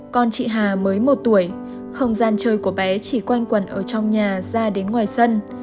con chị hà mới một tuổi không gian chơi của bé chỉ quanh quần ở trong nhà ra đến ngoài sân